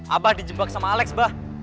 abah dijembak sama alex bah